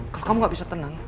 kalau kamu gak bisa tenang